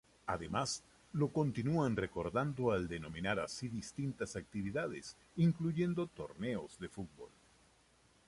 Además, lo continúan recordando al denominar así distintas actividades, incluyendo torneos de fútbol.